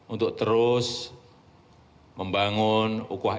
untuk terus membangun